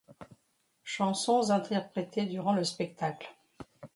Chansons interprétées durant le spectacle.